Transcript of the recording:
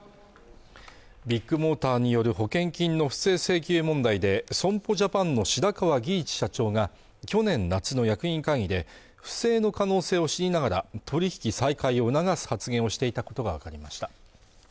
ビッグモーターによる保険金の不正請求問題で損保ジャパンの白川儀一社長が去年夏の役員会議で不正の可能性を知りながら取り引き再開を促す発言をしていたことが分かりました